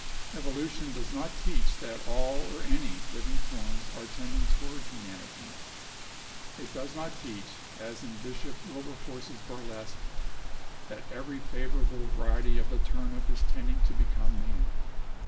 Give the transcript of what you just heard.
"Evolution does not teach that all or any living forms are tending toward humanity. It does not teach, as in Bishop Wilberforce's burlesque, 'that every favorable variety of the turnip is tending to become man.'